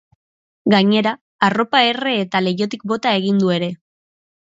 Gainera, arropa erre eta leihotik bota egin du ere.